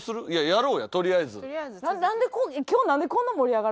やろうやとりあえず。